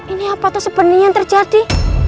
ini apa tuh sepenuhnya terjadi